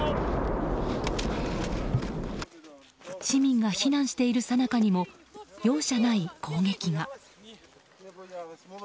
市民が避難しているさなかにも容赦ない攻撃が。